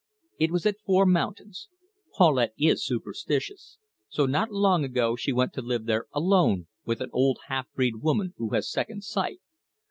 It was at Four Mountains. Paulette is superstitious; so not long ago she went to live there alone with an old half breed woman who has second sight.